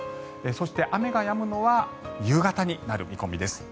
そして、雨がやむのは夕方になる見込みです。